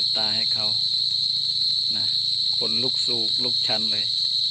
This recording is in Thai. ทุกชั้นเลย